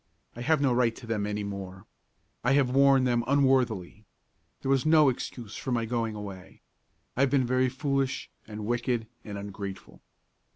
"I have no right to them any more. I have worn them unworthily. There was no excuse for my going away. I have been very foolish and wicked and ungrateful."